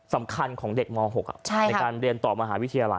สำคัญของเด็กม๖ในการเรียนต่อมหาวิทยาลัย